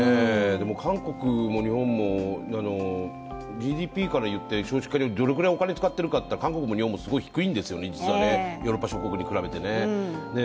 でも韓国も日本も、ＧＤＰからいって、少子化にどのくらいお金を使っているかというと韓国も日本もすごく低いんですよね、実はヨーロッパ諸国に比べてね。